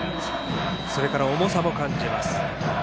それから重さも感じます。